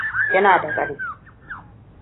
Kina da ƙarfi.